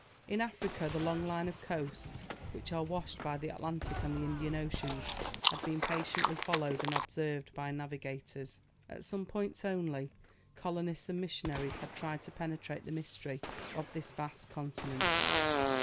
In Africa, the long line of coasts, which are washed by the Atlantic and the Indian Oceans, had been patiently followed and observed by navigators. At some points only, colonists and missionaries had tried to penetrate the mystery of this vast continent.